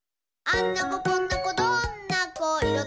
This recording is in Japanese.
「あんな子こんな子どんな子いろ